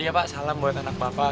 iya pak salam buat anak bapak